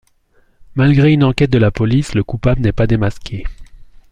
Malgré une enquête de la police, le coupable n'est pas démasqué.